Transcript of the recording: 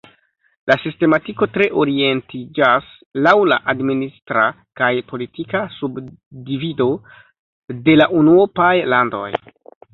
La sistematiko tre orientiĝas laŭ la administra kaj politika subdivido de la unuopaj landoj.